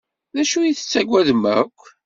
D acu i tettagadem akk?